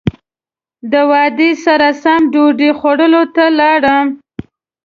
د وعدې سره سم ډوډۍ خوړلو ته لاړم.